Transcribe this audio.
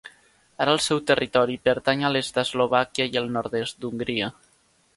Ara el seu territori pertany a l'est d'Eslovàquia i el nord-est d'Hongria.